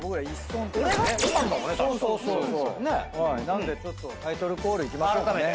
なんでちょっとタイトルコールいきましょうかね。